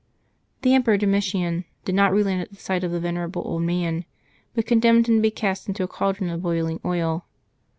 The Emperor Domitian did not relent at the sight of the vener able old man, but condemned him to be cast into a caldron of boiling oil.